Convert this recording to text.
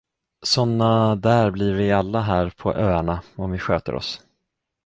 Såna där blir vi alla här på öarna om vi sköter oss.